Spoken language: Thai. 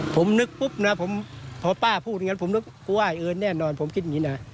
ผมนึกปุ๊บนะพอป้าพูดอย่างนั้นผมนึกว่าอย่างแน่นอนผมคิดแบบนี้นะ